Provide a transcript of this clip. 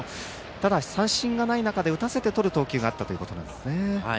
ただ、三振がない中で打たせてとる投球があったということですね。